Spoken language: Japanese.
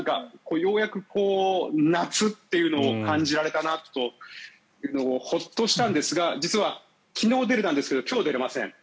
ようやく夏というのを感じられたなというのがホッとしたんですが実は昨日出れたんですが今日、出られません。